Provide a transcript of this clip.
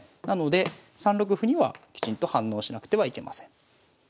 なので３六歩にはきちんと反応しなくてはいけません。